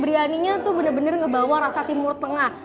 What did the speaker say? brianinya tuh bener bener ngebawa rasa timur tengah